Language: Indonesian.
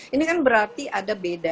ini kan berarti ada beda